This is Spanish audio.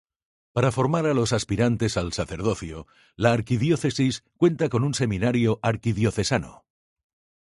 Para formar a los aspirantes al sacerdocio, la arquidiócesis cuenta con un seminario arquidiocesano.